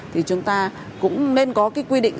thì chúng ta cũng nên có cái quy định